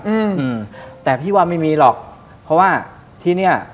อืมอืมแต่พี่ว่าไม่มีหรอกเพราะว่าที่เนี้ย